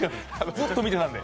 ずっと見てたんで。